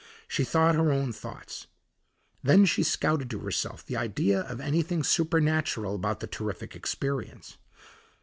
She thought her own thoughts. Then she scouted to herself the idea of anything supernatural about the terrific experience.